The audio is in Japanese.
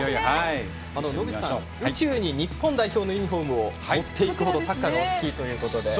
野口さん、宇宙に日本代表のユニフォームを持っていくほどサッカーがお好きということで。